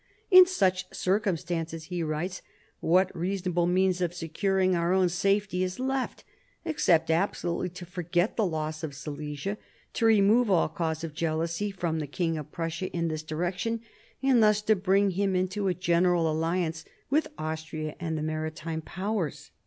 " In such circumstances," he writes, " what reasonable means of securing our own safety is left, except absolutely to forget the loss of Silesia, to remove all cause of jealousy from the King of Prussia in this direction, and thus to bring him into a general alliance with Austria and the Maritime Powers